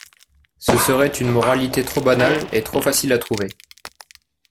Ce serait une moralité trop banale et trop facile à trouver.